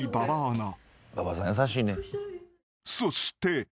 ［そして］